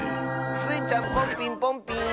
スイちゃんポンピンポンピーン！